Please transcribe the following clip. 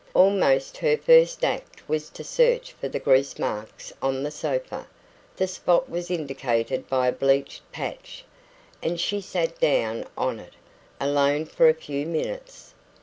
Almost her first act was to search for the grease marks on the sofa the spot was indicated by a bleached patch and she sat down on it, alone for a few minutes.